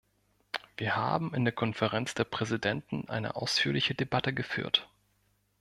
Wir haben in der Konferenz der Präsidenten eine ausführliche Debatte geführt.